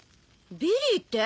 ビリーって？